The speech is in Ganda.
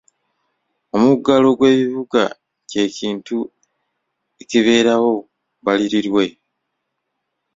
Omuggalo gw'ebibuga kye kintu ekibeerawo bbalirirwe.